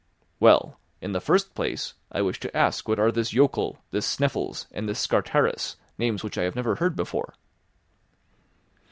"Well, in the first place, I wish to ask what are this Jokul, this Sneffels, and this Scartaris, names which I have never heard before?"